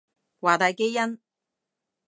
華大基因